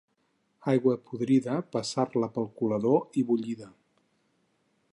Aigua podrida, passa-la pel colador i bullida.